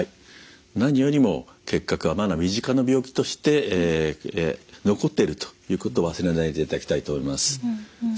何よりも結核はまだ身近な病気として残っているということ忘れないでいただきたいと思います。